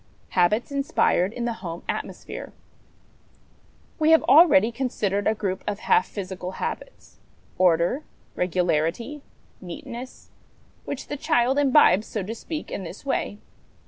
Habits inspired in the Home Atmosphere. We have already considered a group of half physical habits order, regularity, neatness which the child imbibes, so to speak, in this way.